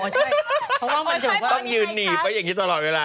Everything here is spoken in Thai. เพราะว่ามันต้องยืนหนีไปอย่างนี้ตลอดเวลา